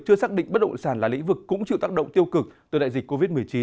chưa xác định bất động sản là lĩnh vực cũng chịu tác động tiêu cực từ đại dịch covid một mươi chín